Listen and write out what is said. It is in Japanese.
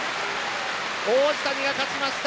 王子谷が勝ちました！